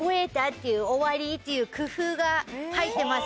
終わりっていう工夫が入ってます。